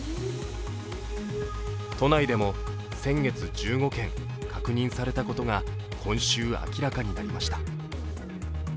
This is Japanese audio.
都内でも先月１５件確認されたことが今週、明らかになりました。